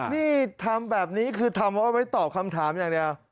นี่ทำแบบนี้คือทำเอาไว้ตอบคำถามอย่างเดียว